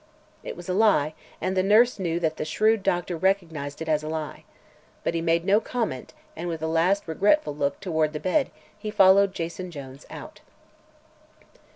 It was a lie, and the nurse knew that the shrewd doctor recognized it as a lie. But he made no comment and with a last regretful look toward the bed he followed Jason Jones out.